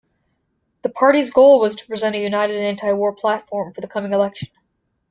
The party's goal was to present a united anti-war platform for the coming election.